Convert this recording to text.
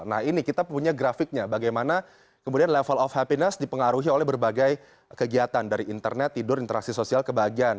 nah ini kita punya grafiknya bagaimana kemudian level of happiness dipengaruhi oleh berbagai kegiatan dari internet tidur interaksi sosial kebahagiaan